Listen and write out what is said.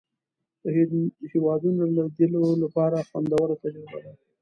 د هېوادونو لیدلو لپاره خوندوره تجربه ده.